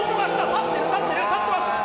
立ってる立ってる立ってます。